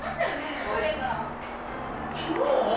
昨日？